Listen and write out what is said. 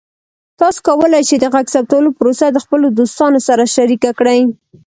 تاسو کولی شئ د غږ ثبتولو پروسه د خپلو دوستانو سره شریکه کړئ.